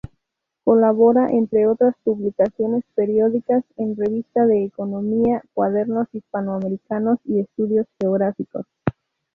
Colabora, entre otras publicaciones periódicas, en 'Revista de Economía', 'Cuadernos Hispanoamericanos' y 'Estudios Geográficos'.